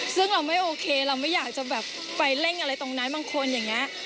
ซึ่งเราไม่โอเคเราไม่อยากจะแบบไปเร่งอะไรตรงนั้นบางคนอย่างนี้